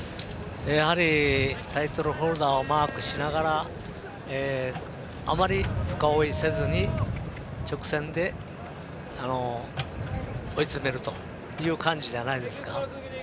やはりタイトルホルダーをマークしながらあまり深追いせずに直線で追い詰めるという感じじゃないですか。